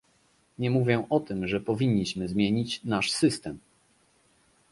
Nie mówię o tym, że powinniśmy zmienić nasz system